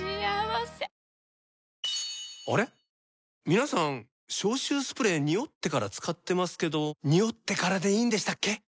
皆さん消臭スプレーニオってから使ってますけどニオってからでいいんでしたっけ？